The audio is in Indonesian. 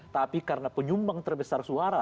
tapi karena penyumbang terbesar suara